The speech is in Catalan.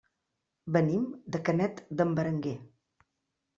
Venim de Canet d'en Berenguer.